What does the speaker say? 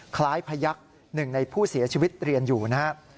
คล้ายพยักษ์หนึ่งในผู้เสียชีวิตเรียนอยู่นะครับ